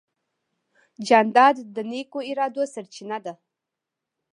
جانداد د نیکو ارادو سرچینه ده.